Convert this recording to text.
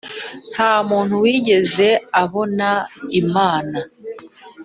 Nta muntu wigeze abona Imana